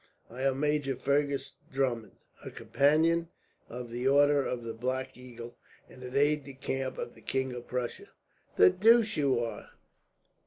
"I am Major Fergus Drummond, a companion of the order of the Black Eagle, and an aide de camp of the King of Prussia." "The deuce you are!"